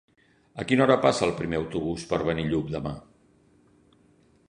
A quina hora passa el primer autobús per Benillup demà?